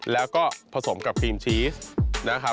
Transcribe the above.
แล้วก็ผสมกับครีมชีสนะครับ